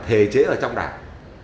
thể chế ở trong đảng